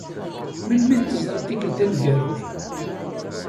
Melmi t-teẓriḍ tikkelt taneggarut?